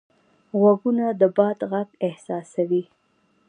غوږونه د باد غږ احساسوي